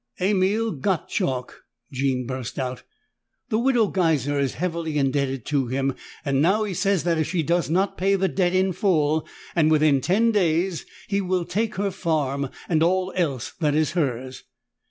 "Emil Gottschalk!" Jean burst out. "The Widow Geiser is heavily indebted to him and now he says that, if she does not pay the debt in full, and within ten days, he will take her farm and all else that is hers!"